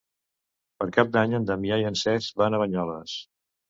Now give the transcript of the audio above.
Per Cap d'Any en Damià i en Cesc van a Banyoles.